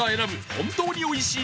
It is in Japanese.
本当に美味しい